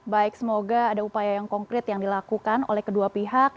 baik semoga ada upaya yang konkret yang dilakukan oleh kedua pihak